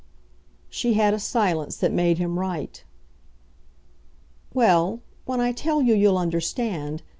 She had a silence that made him right. "Well, when I tell you you'll understand.